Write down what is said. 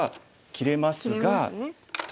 切れますね。